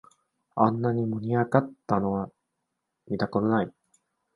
あんなに盛り上がったのは見たことない